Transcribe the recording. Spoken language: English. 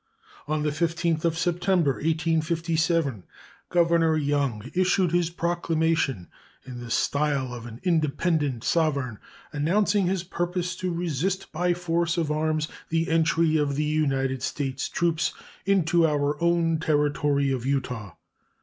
On the 15th of September, 1857, Governor Young issued his proclamation, in the style of an independent sovereign, announcing his purpose to resist by force of arms the entry of the United States troops into our own Territory of Utah.